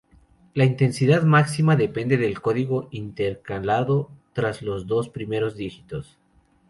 La intensidad máxima depende del código intercalado tras los dos primeros dígitos.